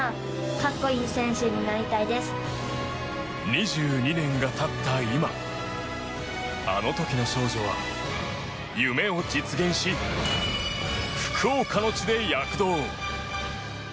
２２年が経った今あの時の少女は夢を実現し福岡の地で躍動。